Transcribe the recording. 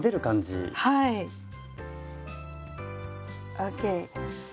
ＯＫ！